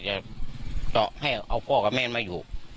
ให้เอาพ่อกับแม่มาอยู่